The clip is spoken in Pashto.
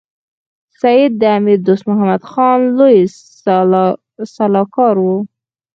سید د امیر دوست محمد خان لوی سلاکار وو.